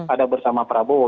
ada bersama prabowo